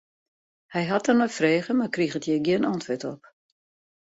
Hy hat der nei frege, mar kriget hjir gjin antwurd op.